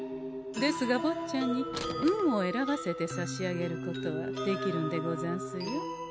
ですがぼっちゃんに運を選ばせてさしあげることはできるんでござんすよ。